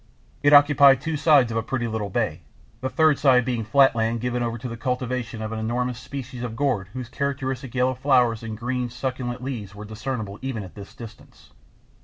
It occupied two sides of a pretty little bay, the third side being flat land given over to the cultivation of an enormous species of gourd whose characteristic yellow flowers and green, succulent leaves were discernible even at this distance.